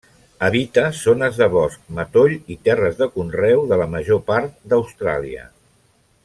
Habita zones de bosc, matoll i terres de conreu de la major part d'Austràlia.